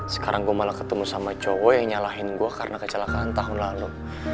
sekarang gue malah ketemu sama cowok yang nyalahin gue karena kecelakaan tahun lalu